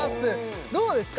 どうですか？